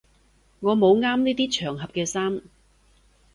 我冇啱呢啲場合嘅衫